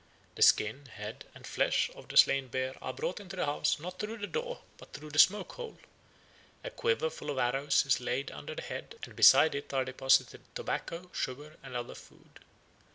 The skin, head, and flesh of the slain bear are brought into the house not through the door but through the smoke hole; a quiver full of arrows is laid under the head and beside it are deposited tobacco, sugar, and other food.